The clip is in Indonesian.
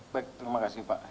baik terima kasih pak